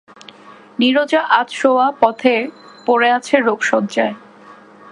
নীরজা আধ-শোওয়া পড়ে আছে রোগ শয্যায়।